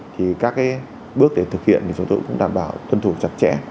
thì các cái bước để thực hiện thì chúng tôi cũng đảm bảo tuân thủ chặt chẽ